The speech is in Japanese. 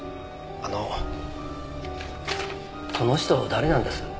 あのこの人誰なんです？